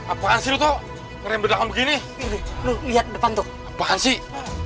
apaan sih tuh keren bedah begini lu lihat depan tuh apaan sih